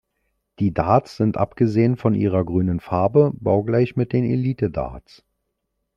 Die Darts sind abgesehen von ihrer grünen Farbe baugleich mit den Elite-Darts.